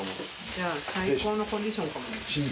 じゃあ、最高のコンディションかもね。